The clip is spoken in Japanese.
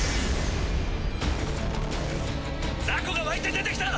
雑魚が湧いて出てきた！